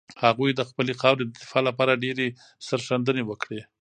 هغوی د خپلې خاورې د دفاع لپاره ډېرې سرښندنې وکړې.